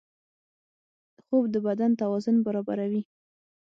خوب د بدن توازن برابروي